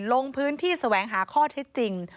ลงพื้นที่แสวงหาข้อเท็จจริง